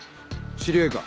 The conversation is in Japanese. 知り合いか？